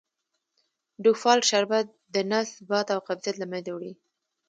ډوفالک شربت دنس باد او قبضیت له منځه وړي .